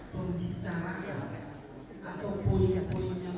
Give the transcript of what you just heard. perjalanannya kemana saja